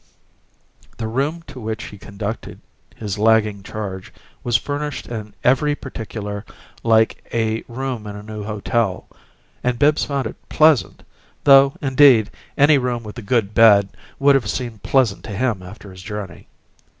The room to which he conducted his lagging charge was furnished in every particular like a room in a new hotel; and Bibbs found it pleasant though, indeed, any room with a good bed would have seemed pleasant to him after his journey.